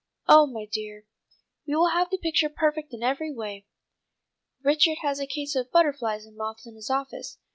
"Oh, my dear, we will have the picture perfect in every way. Richard has a case of butterflies and moths in his office.